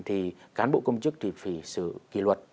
thì cán bộ công chức thì phải xử kỳ luật